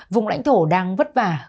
vùng lãnh thổ đang vất vả